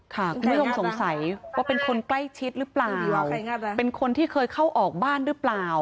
คุณผู้ชมสงสัยว่าเป็นคนใกล้ชิดหรือเปล่าเป็นคนที่เคยเข้าออกบ้านหรือเปล่า